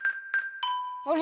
あれ？